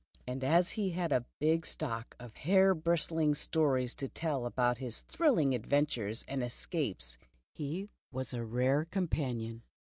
and as he had a big stock of hair bristling stories to tell about his thrilling adventures and escapes, he was a rare companion.